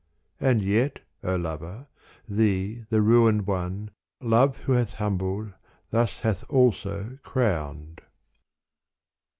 And yet, O lover, thee the ruined one Love who hath humbled thus hath also crowned.